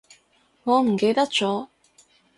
我唔記得咗